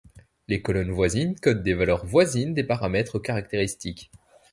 Les colonnes voisines codent des valeurs voisines des paramètres caractéristiques.